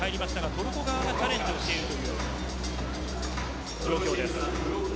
トルコ側がチャレンジをしているという状況です。